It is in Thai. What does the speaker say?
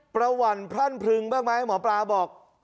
หวั่นพรั่นพลึงบ้างไหมหมอปลาบอก